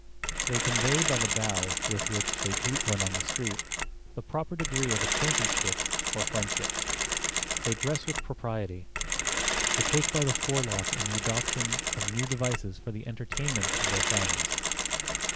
They convey by the bow with which they greet one on the street the proper degree of acquaintanceship or friendship. They dress with propriety. They take time by the forelock in the adoption of new devices for the entertainment of their friends.